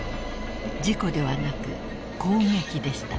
事故ではなく攻撃でした］